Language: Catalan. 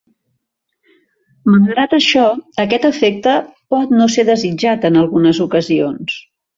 Malgrat això, aquest efecte pot no ser desitjat en algunes ocasions.